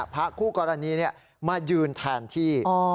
คู่กรณีมายืนแทนที่